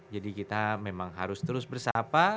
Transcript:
jadi kita memang harus terus bersapa